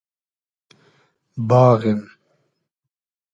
باغیم